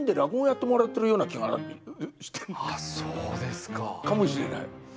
そうですか！かもしれない。